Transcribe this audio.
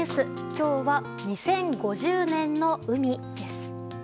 今日は２０５０年の海。